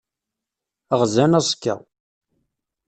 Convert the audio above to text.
Ɣzan aẓekka.